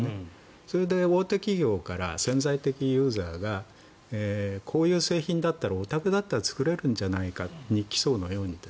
それで、大手企業から潜在的ユーザーがこういう製品だったらおたくだったら作れるんじゃないか日機装のように。